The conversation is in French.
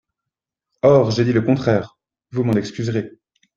Or j’ai dit le contraire, vous m’en excuserez.